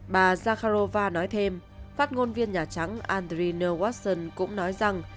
bà zakharova nói thêm phát ngôn viên nhà trắng andriy nelwatson cũng nói rằng